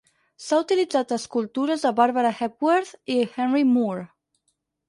S"ha utilitzat a escultures de Barbara Hepworth i Henry Moore.